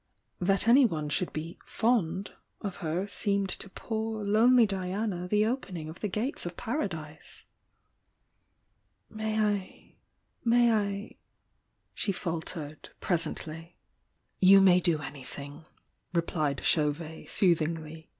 "That anyone should be "fond" of her seemed to poor, lonely Diana the opening of the gates of Paradise. "May I — may I " she faltered, presently. 224 THE YOUNG DIANA I "You may do anything!" replied Chauvet, sooth ingly.